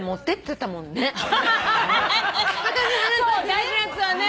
大事なやつはね。